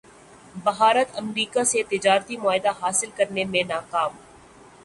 بھارت امریکا سے تجارتی معاہدہ حاصل کرنے میں ناکام